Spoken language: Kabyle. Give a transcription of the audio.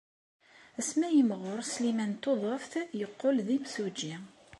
Asmi ay yimɣur Sliman n Tuḍeft, yeqqel d imsujji.